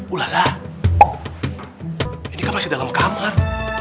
ulalah ini kan masih dalam kamar